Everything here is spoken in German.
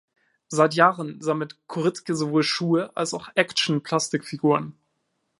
Seit Jahren sammelt Korittke sowohl Schuhe als auch Action-Plastikfiguren.